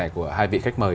của hai vị khách mời